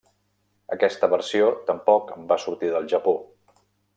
Aquesta versió tampoc va sortir del Japó.